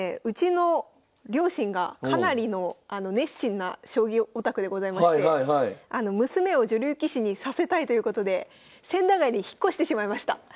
うちの両親がかなりの熱心な将棋オタクでございまして娘を女流棋士にさせたいということで千駄ヶ谷に引っ越してしまいました。